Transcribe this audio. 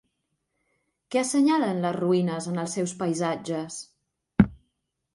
Què assenyalen les ruïnes en els seus paisatges?